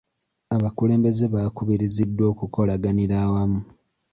Abakulembeze baakubiriziddwa okukolaganira awamu.